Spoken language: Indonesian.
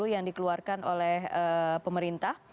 yang dikeluarkan oleh pemerintah